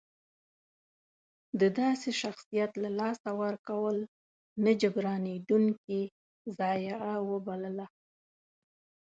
د داسې شخصیت له لاسه ورکول نه جبرانېدونکې ضایعه وبلله.